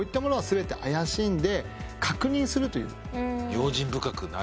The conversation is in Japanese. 用心深くなる。